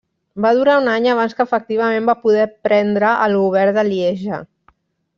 Va durar un any abans que efectivament va poder prendre el govern de Lieja.